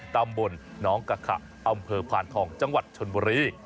ตำบลน้องกะขะอำเภอพานทองจังหวัดชนบุรี